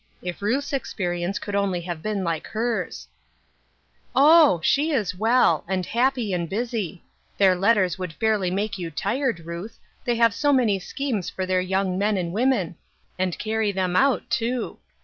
If Ruth's experience could only have been like hers !" Oh ! she is well ; and happy, and busy. Their letters would fairly make you tired, Ruth, they UNWELCOME RESPONSIBILITIES. 43 have so many schemes for their young men and women ; and carry them out, too.